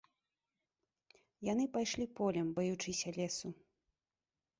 Яны пайшлі полем, баючыся лесу.